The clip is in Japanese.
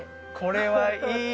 これはいいです。